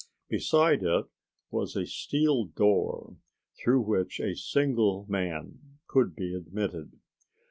Beside it was a steel door through which a single man could be admitted.